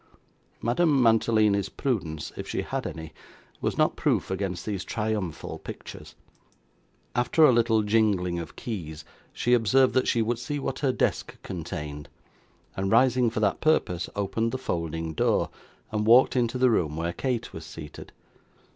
Madame Mantalini's prudence, if she had any, was not proof against these triumphal pictures; after a little jingling of keys, she observed that she would see what her desk contained, and rising for that purpose, opened the folding door, and walked into the room where Kate was seated.